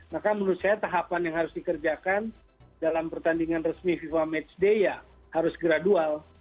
maka menurut saya tahapan yang harus dikerjakan dalam pertandingan resmi fifa matchday ya harus gradual